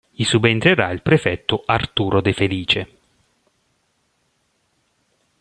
Gli subentrerà il prefetto Arturo De Felice.